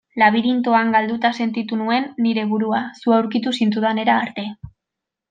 Labirintoan galduta sentitu nuen nire burua zu aurkitu zintudanera arte.